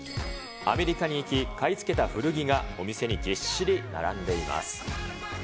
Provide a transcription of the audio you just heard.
アメリカに行き、買い付けた古着がお店にぎっしり並んでいます。